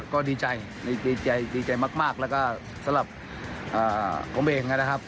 ก็ดีใจดีใจมากแล้วก็สำหรับผมเองนะครับ